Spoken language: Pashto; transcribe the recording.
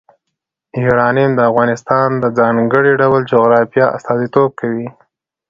یورانیم د افغانستان د ځانګړي ډول جغرافیه استازیتوب کوي.